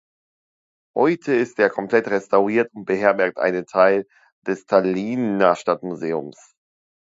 Heute ist er komplett restauriert und beherbergt einen Teil des Tallinner Stadtmuseums.